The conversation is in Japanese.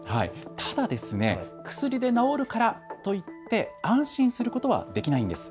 ただ薬で治るからといって安心することはできないんです。